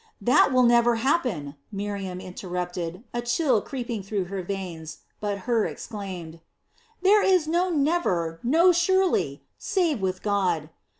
"That will never happen!" Miriam interrupted, a chill creeping through her veins, but Hur exclaimed: "There is no 'never,' no 'surely,' save with God.